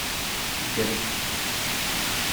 Ddret!